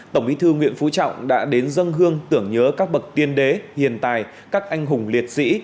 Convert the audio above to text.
tổng bí thư nguyễn phú trọng đã đến dân hương tưởng nhớ các bậc tiên đế hiền tài các anh hùng liệt sĩ